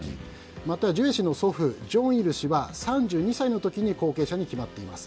また、ジュエ氏の祖父・正日氏は３２歳の時に後継者に決まっています。